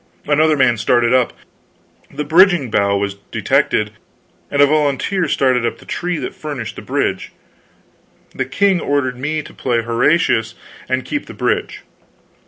Another man started up; the bridging bough was detected, and a volunteer started up the tree that furnished the bridge. The king ordered me to play Horatius and keep the bridge.